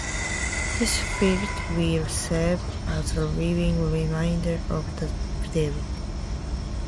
This field will serve as a living reminder of that debt.